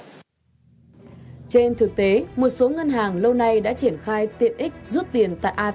trên thực tế một số ngân hàng lâu nay đã triển khai tiện ích rút tiền